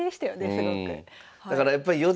すごく。